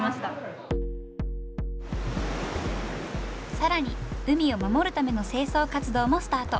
更に海を守るための清掃活動もスタート。